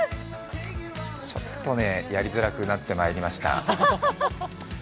ちょっとね、やりづらくなってまいりました。